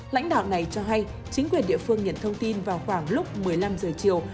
lãnh đạo này cho hay chính quyền địa phương nhận thông tin vào khoảng lúc một mươi năm giờ chiều